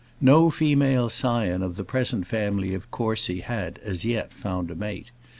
No female scion of the present family of Courcy had, as yet, found a mate.